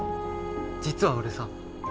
実は俺さ。